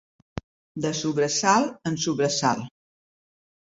De sobresalt en sobresalt.